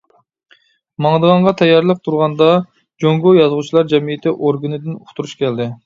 ماڭىدىغانغا تەييارلىق تۇرغاندا جۇڭگو يازغۇچىلار جەمئىيىتى ئورگىنىدىن ئۇقتۇرۇش كەلدى.